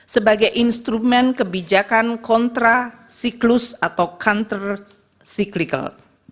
sebagai instrumen kebijakan kontrasiklus atau counter cyclical